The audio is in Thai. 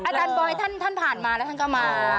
อาจารย์บอยท่านผ่านมาแล้วท่านก็มา